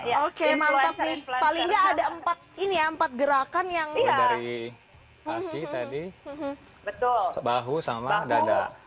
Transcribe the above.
ya oke mantap nih paling ada empat ini empat gerakan yang dari tadi betul bahu sama dada